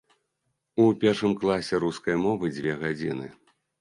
У першым класе рускай мовы дзве гадзіны.